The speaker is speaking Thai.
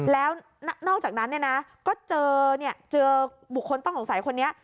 แล้วนอกจากนั้นก็เจอบุคคลต้องสงสัยคนนี้